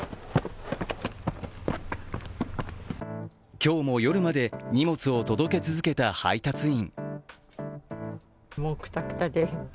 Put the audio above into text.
今日も夜まで荷物を届け続けた配達員。